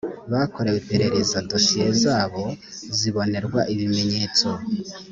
bakorewe iperereza dosiye zabo zibonerwa ibimenyetso